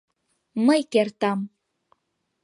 Мый кертам…